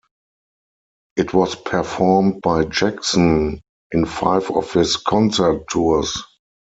It was performed by Jackson in five of his concert tours.